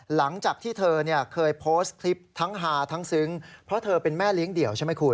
หลังจากที่เธอเนี่ยเคยโพสต์คลิปทั้งฮาทั้งซึ้งเพราะเธอเป็นแม่เลี้ยงเดี่ยวใช่ไหมคุณ